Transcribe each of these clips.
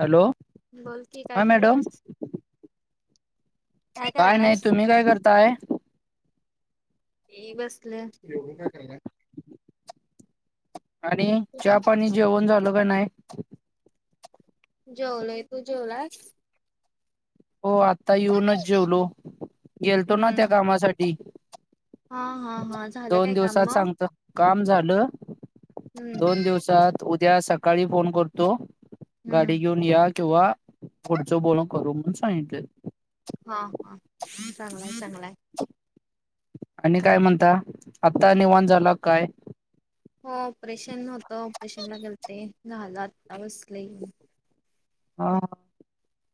Hello, बोल कि काय हा मॅडम करालास? काय नाही. तुम्ही काय करताय? ए बसलेया. आणि? चहा पाणी जेवण झालं का नाही? जेवलोय. तू जेवलास? हो आत्ता येऊनच जेवलो. गेलतो ना त्या हम्म. कामासाठी. हा.. हा.. हा. झालं दोन काय कामं दिवसात मग? सांगत काम झालं. हम्म. दोन दिवसात, उद्या सकाळी फोन करतो. गाडी हम्म घेऊन या किंवा पुढचं बोलून करू, म्हणून सांगितलेत. हा.. हा. चांगलाय, चांगलाय. आणि काय म्हणता? आता निवांत झाला काय? हो ऑपरेशन होतं. ऑपरेशनला गेलते, झालं आत्ता बसले. हा.. हा.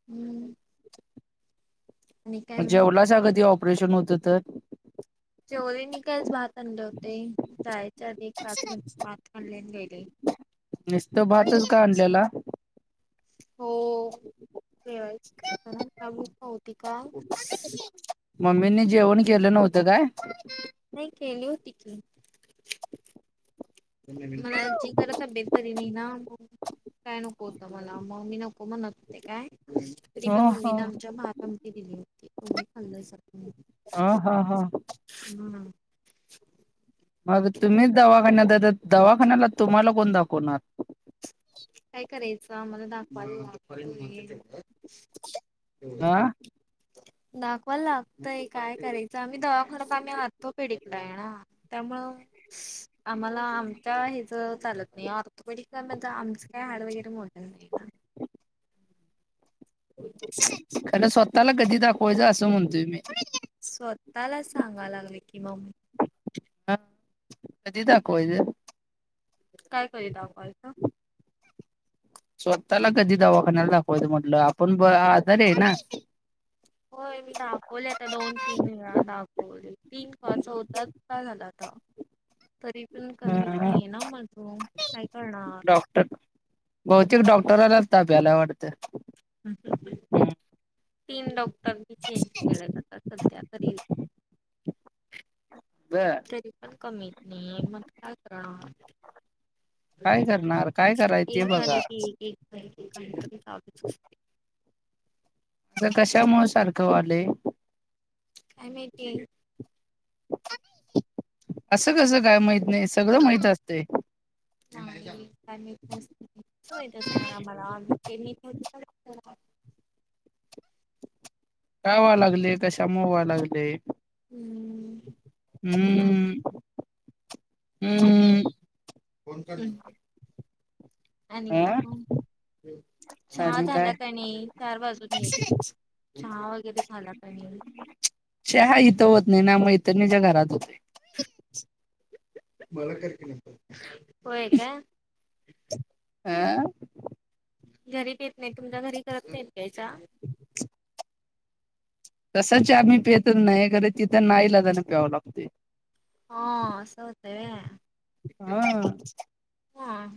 हम्म. आणि काय मग जेवलासा कधी ऑपरेशन होतं तर? शवरीनी कायच भात आणले होते. जायच्या आधी एक पाच म पाच मल्यान गेले. निसता भातंच का आणल्याला? हो. जेवायचं कारण का भुक नव्हती का? मम्मींनी जेवण केलं नव्हतं काय? नाही केली होती की. मला जी कर तब्येत बरी नाही ना, काय नक खो होतं मला, मग मी नको म्हणत होते काय? तरी ह पण मम्मींनं ह आमच्या भात आमटी दिली होती, तेवढं खाल्ल्यासारखं झालं. हा हा हा. हम्. मग तुम्हीच दवाखान्यात आहेत, तर दवाखान्याला तुम्हाला कोण दाखवणार? काय करायचं? आम्हाला दाखवायला लागतंय. तेवढंच हा करतो. दाखवायला लागतंय, काय करायचं? आम्ही दवाखानात आम्ही आर्थोपेडीकडं आहे ना. त्यामुळं, आम्हाला आमच्या हेचं चालत नाही, ऑर्थोपेडिक म्हण आमचं काय हाडं वगैरे मोडणार नाही ना? हो खर स्वतःला कधी दाखवायचं, असं म्हणतोय मी. स्वतःला सांगाय लागले की म. हा, कधी दाखवायचं? काय कधी दाखवायचं? स्वतला कधी दवाखान्याला दाखवायचं म्हटलं. आपण ब आजारी आहे ना? होय मी दाखवले आता. दोन तीन वेळा दाखवले. तीन का चौथ्यांदा झाल आता. तरी पण कमी नाही हा आहे ना माझं. काय करणार. डॉक्टर बहुतेक डॉक्टराला ताप भ्यायला वाटतं. हम्म तीन डॉक्टर मी चेंज केले, आता सध्या तरी. बरं. तरी पण कमी येत नाहीय, मग काय करणार? काय करणार काय कराय ते एक झालं बघा एक, एक झालं एक काही तरी चालूच असते. ते कशामुळे सारखं व्हालंय? काय माहिती. असं कसं काय माहित नाही. सगळं माहित असतंय. [unintelligible] कसं माहीत असणार आमाला, [unintelligible] काय व्हा लागलेय? कशामूळ व्हा लागलेय? हम्म. ऊ ऊ. [inaudible] आणि काय हा मग? चहा आणि काय झाला का नाही? चार वाजून गेले. चहा वगैरे झाला का नाही? चहा इथं होत नाही ना. मैत्रिणीच्या घरात होतय. व्हय का? अ? घरी पित नाही? तुमच्या घरी करत नाही का चहा? [inaudible] तसा चहा मी पेतच नाही, खरं तिथं नाईलाजान प्यावं लागतय. हा अस होतय? हा ह.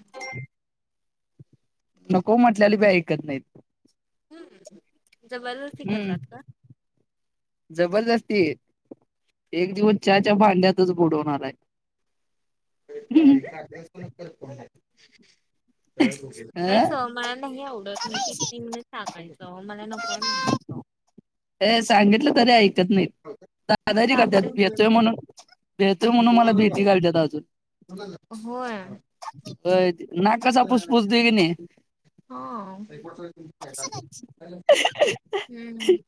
नको म्हटल्याले बी ऐकत नाहीत. हम्म. जबरदस्ती हम्म करतात का? जबरदस्ती! एक दिवस चहाच्या भांड्यातच बुडवणार आहे. अ [unintelligible] मला नाही आवडत. मी [unintelligible] टाकायचं. मला नकोय म्हणाय हे सांगितलं तरी ऐकत नाही. दादागीरी का करतात. बरं? भेतोय म्हणून भेतोय म्हणून मला भीती घालत्यात अजून. होय. होय. नाग कसा फूस फूस देईने हो हू हू.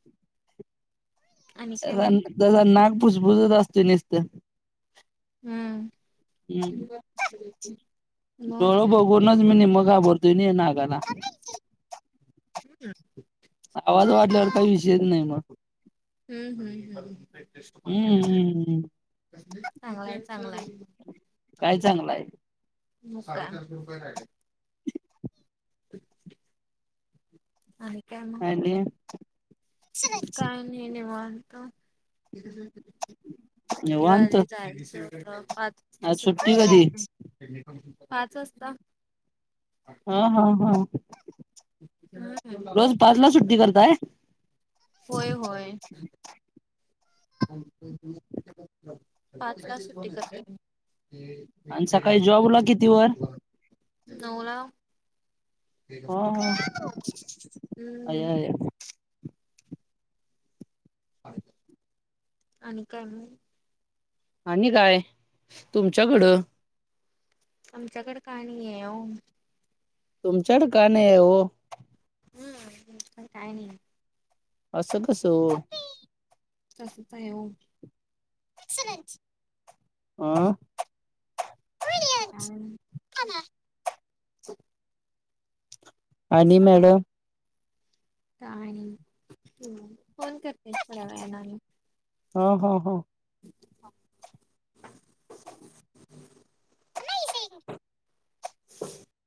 जसा, मग? जसा नाग फुसफुसत असत नुसत. हम्म. हम्म, मग डोळ बघूनूच मी निम्म घाबरतोय ना या नागाला. [inaudible] आवाज वाढल्यावर काही विषयच नाही मग. हू हू हम्म हू. हम्म चांगलंय चांगलंय. काय चांगलं आहे साडेचारशे रुपये राहिले. आणि काय मग? आणि मी निवांत. [unintelligible] निवांत पाच वाजता आज सुट्टी कधी करायची. पाच वाजता? अ ह ह. हम्म रोज पाचला सुट्टी करताय? होय, होय. पाचला सूट आणि सकाळी जॉबला किती वर [unintelligible] हा. अय हम्म. अय आणि काय मग? आणि काय तुमच्याकडं? आमच्याकड काय नाही आहे ओ. तुमच्याड का नाही आहे हो? हम् [unintelligible] काय नाही. असं कसं ओ? असंच आहे ओ. काय नाही [inaudible] [unintelligible] आणि मॅडम? काय नाही, हम. फोन करते थोड्या वेळानं आणि ह ह हो. हा. नाही. ह